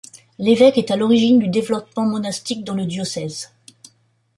L'évêque est à l'origine du développement monastique dans le diocèse.